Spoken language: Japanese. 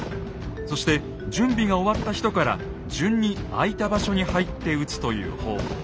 そして準備が終わった人から順に空いた場所に入って撃つという方法。